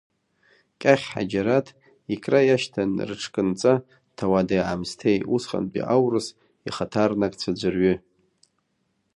Кьахь Ҳаџьараҭ икра иашьҭан рыҽкынҵа ҭауадиаамысҭеи, усҟантәи аурыс ихаҭарнакцәа ӡәырҩы.